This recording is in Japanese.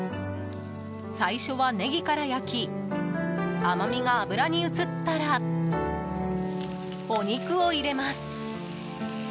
最初はネギから焼き甘みが脂に移ったらお肉を入れます。